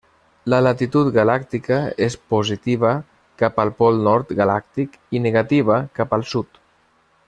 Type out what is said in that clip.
La latitud galàctica és positiva cap al pol nord galàctic i negativa cap al sud.